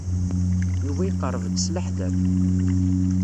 Yuba iqerreb-d s leḥder.